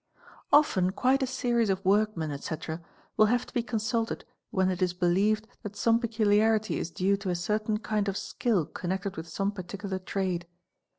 | Often quite a series of workmen, etc., will have to be consulted when — it is believed that some peculiarity is due to a certain kind of skill connect | ed with some particular trade.